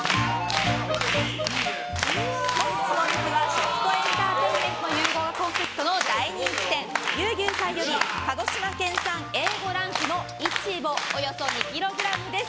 本日のお肉は、食とエンターテインメントの融合がコンセプトの大人気店牛牛さんより鹿児島県産Ａ５ランクのイチボおよそ２ｋｇです。